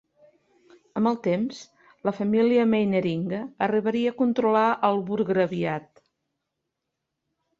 Amb el temps, la família Meinheringer arribaria a controlar el burgraviat.